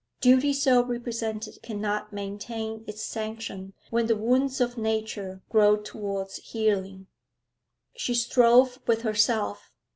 Duty so represented cannot maintain its sanction when the wounds of nature grow towards healing. She strove with herself.